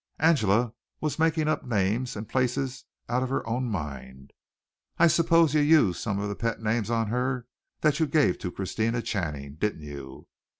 '" Angela was making up names and places out of her own mind. "I suppose you used some of the pet names on her that you gave to Christina Channing, didn't you?